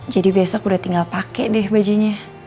jadi besok udah tinggal pake deh bajunya